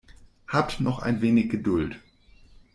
Habt noch ein wenig Geduld.